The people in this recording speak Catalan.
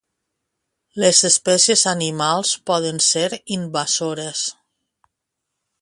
Les espècies animals poden ser invasores.